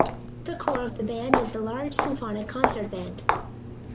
The core of the band is the large symphonic concert band.